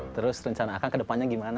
terus rencana akan kedepannya gimana